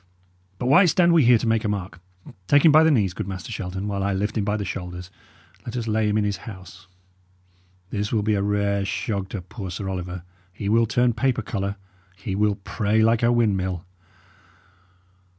But why stand we here to make a mark? Take him by the knees, good Master Shelton, while I lift him by the shoulders, and let us lay him in his house. This will be a rare shog to poor Sir Oliver; he will turn paper colour; he will pray like a windmill."